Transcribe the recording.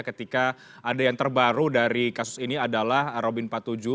ketika ada yang terbaru dari kasus ini adalah robin patuju